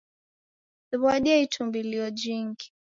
Siw'adie itumbulio jingi.